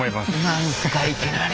何すかいきなり。